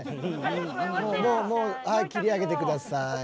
もうもう切り上げてください。